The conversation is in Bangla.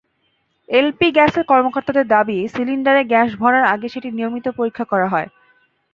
এলপি গ্যাসের কর্মকর্তাদের দাবি, সিলিন্ডারে গ্যাস ভরার আগে সেটি নিয়মিত পরীক্ষা করা হয়।